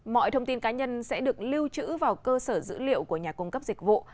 mọi thông tin cá nhân sẽ được lưu trữ vào cơ sở dữ liệu của nhà cung cấp dịch vụ